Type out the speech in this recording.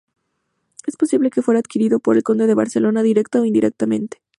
Es posible que fuera adquirido por el conde de Barcelona, directa o indirectamente.